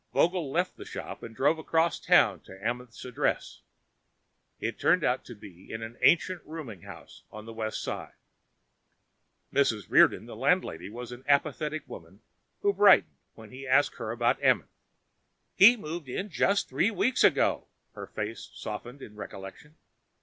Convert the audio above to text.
Vogel left the shop and drove across town to Amenth's address. It turned out to be an ancient rooming house on the West Side. Mrs. Reardon, the landlady, was an apathetic woman who brightened when he asked her about Amenth. "He moved in just three weeks ago." Her face softened in recollection.